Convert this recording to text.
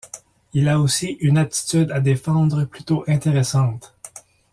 Il a aussi une aptitude à défendre plutôt intéressante.